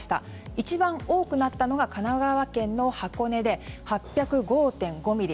一番多くなったのが神奈川県の箱根で８０５．５ミリ。